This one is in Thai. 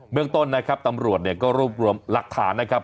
เมืองต้นนะครับตำรวจเนี่ยก็รวบรวมหลักฐานนะครับ